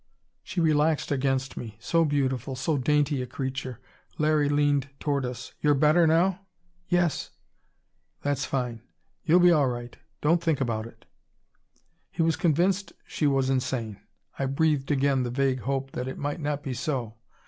She relaxed against me. So beautiful, so dainty a creature. Larry leaned toward us. "You're better now?" "Yes." "That's fine. You'll be all right. Don't think about it." He was convinced she was insane. I breathed again the vague hope that it might not be so.